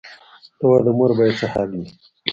ته وا د مور به یې څه حال وي.